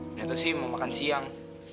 ternyata sih mau makan siang